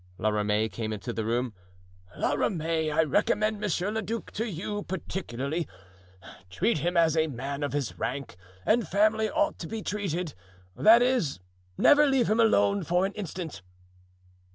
La Ramee came into the room. "La Ramee, I recommend Monsieur le Duc to you, particularly; treat him as a man of his rank and family ought to be treated; that is, never leave him alone an instant."